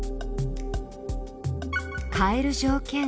変える条件